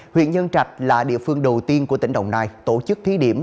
huyện nhân trạch là địa phương đầu tiên của tỉnh đồng nai tổ chức thí điểm